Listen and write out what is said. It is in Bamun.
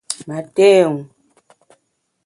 Ma té wu !